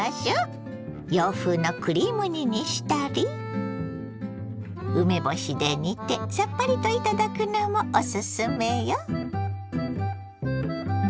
洋風のクリーム煮にしたり梅干しで煮てさっぱりと頂くのもオススメよ。